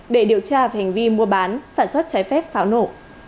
để điều tra về hành vi mua bán sản xuất trái phép pháo nổ